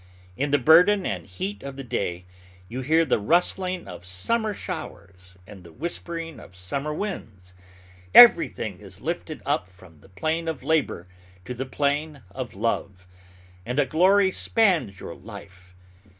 In the burden and heat of the day you hear the rustling of summer showers and the whispering of summer winds. Everything is lifted up from the plane of labor to the plane of love, and a glory spans your life.